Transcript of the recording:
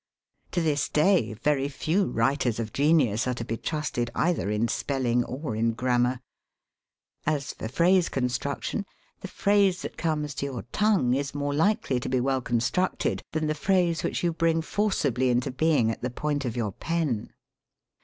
To this day very few writers of genius are to be trusted either in spelling or in grammar. As for phrase construction, the phrase THE DIARY HABIT 49 that comes to your tongue is more likely to be well constructed than the phrase which you bring forcibly into being at the point of your pen.